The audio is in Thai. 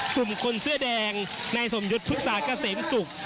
กลุ่มคนเสื้อแดงนายสมยุทธ์ภึกษากระเสมศุกร์